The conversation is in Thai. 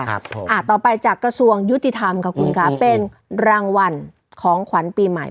ครับผมอ่าต่อไปจากกระทรวงยุติธรรมขอบคุณค่ะเป็นรางวัลของขวัญปีใหม่